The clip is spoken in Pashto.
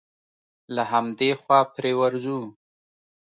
له همدې خوا پرې ورځو.